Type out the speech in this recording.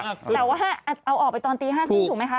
แต่ว่าเอาออกไปตอนตีห้าครึ่งถูกไหมคะ